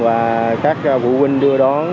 và các cổ huynh đưa đón